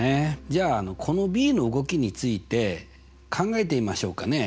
じゃあこのｂの動きについて考えてみましょうかね。